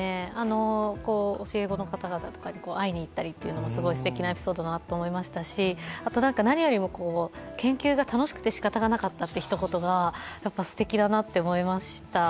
教え子の方々とかに会にいったりというのもすごいすてきなエピソードだと思いましたし、何よりも研究が楽しくて仕方がなかったという一言がすてきだなと思いました。